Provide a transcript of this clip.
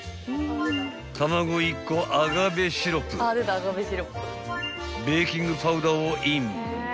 ［卵１個アガベシロップベーキングパウダーをイン］